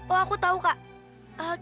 oh aku tau kak